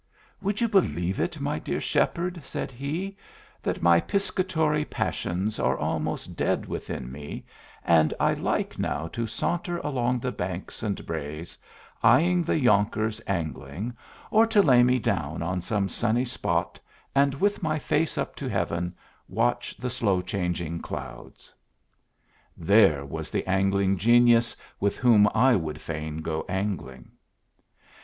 "Would you believe it, my dear Shepherd," said he, "that my piscatory passions are almost dead within me, and I like now to saunter along the banks and braes, eying the younkers angling, or to lay me down on some sunny spot, and with my face up to heaven, watch the slow changing clouds!" THERE was the angling genius with whom I would fain go angling!